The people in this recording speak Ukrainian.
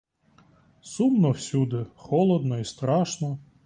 Сумно всюди, холодно й страшно.